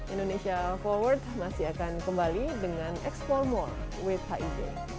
indonesia forward masih akan kembali dengan explore more with hig